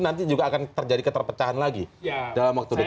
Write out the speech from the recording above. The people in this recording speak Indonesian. nanti juga akan terjadi keterpecahan lagi dalam waktu dekat